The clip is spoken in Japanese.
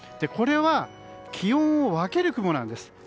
これは気温を分ける雲なんです。